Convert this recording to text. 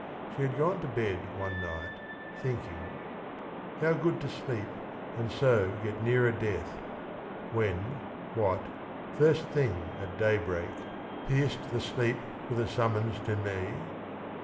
She had gone to bed one night, thinking: "' How good to sleep and so get nearer death !'— When, what, first thing at daybreak, pierced the sleep 8 114 THE RING AND THE BOOK With a summons to me?